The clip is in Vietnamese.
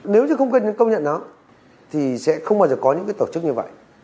nếu như không công nhận nó thì sẽ không bao giờ có những tổ chức như vậy